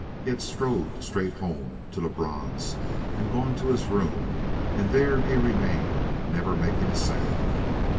He had strode straight home to Lebrun's and gone to his room; and there he remained, never making a sound.